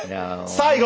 最後！